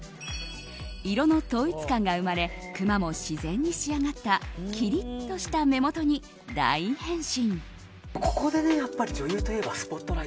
色の統一感が生まれクマも自然に仕上がったきりっとした目元に大変身。